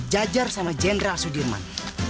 sejajar sama jendral sudirman